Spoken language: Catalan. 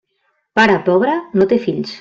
Pare pobre no té fills.